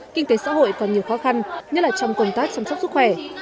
kinh tế xã hội còn nhiều khó khăn nhất là trong công tác chăm sóc sức khỏe